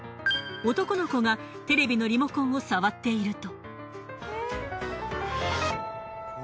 男の子がテレビのリモコンを触っていると。